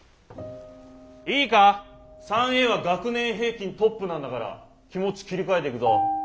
いいか３Ａは学年平均トップなんだから気持ち切り替えてくぞ。